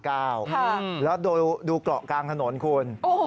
แล้วดูเกาะกลางถนนคุณ